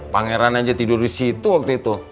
pangeran aja tidur di situ waktu itu